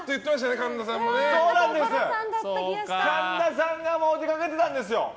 神田さんがいきかけてたんですよ。